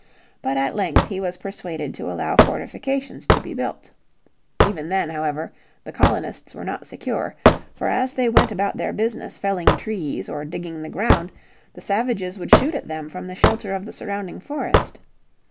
But at length he was persuaded to allow fortifications to be built. Even then, however, the colonists were not secure, for as they went about their business felling trees or digging the ground the savages would shoot at them from the shelter of the surrounding forest.